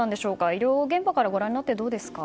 医療現場からご覧になってどうですか？